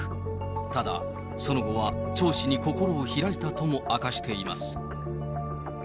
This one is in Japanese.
ただ、その後は張氏に心を開いたとも明かしています。